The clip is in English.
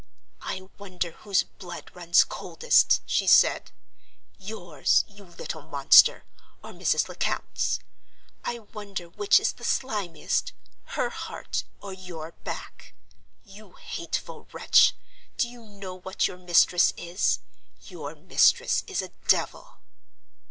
"I wonder whose blood runs coldest," she said, "yours, you little monster, or Mrs. Lecount's? I wonder which is the slimiest, her heart or your back? You hateful wretch, do you know what your mistress is? Your mistress is a devil!"